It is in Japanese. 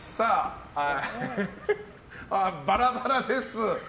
バラバラです。